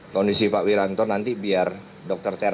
kondisi pak wiranto nanti biar dokter tera